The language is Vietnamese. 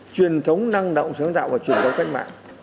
truyền thống năng động sáng tạo và khách mạng